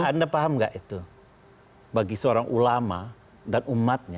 untuk menjadikan ulama dan umatnya